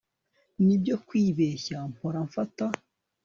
nibyo, kwibeshya mpora mfata